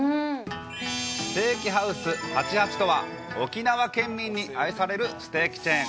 ステーキハウス８８とは、沖縄県民に愛されるステーキチェーン。